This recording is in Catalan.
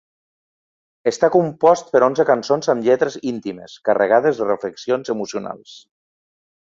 Està compost per onze cançons amb lletres íntimes, carregades de reflexions emocionals.